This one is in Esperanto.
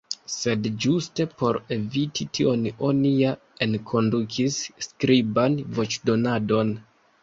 Sed ĝuste por eviti tion oni ja enkondukis skriban voĉdonadon.